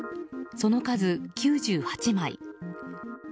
その数９８枚。